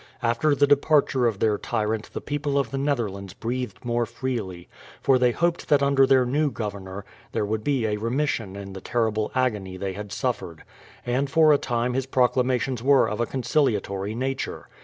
After the departure of their tyrant the people of the Netherlands breathed more freely, for they hoped that under their new governor, there would be a remission in the terrible agony they had suffered; and for a time his proclamations were of a conciliatory nature.